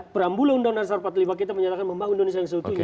perambula undang undang sarpatlima kita menyatakan membangun indonesia yang seutuhnya